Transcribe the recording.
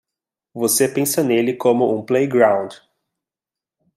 Você pensa nele como um playground.